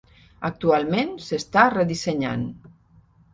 Actualment s'està redissenyant.